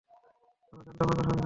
আমরা জানতাম না তার সঙ্গী থাকবে।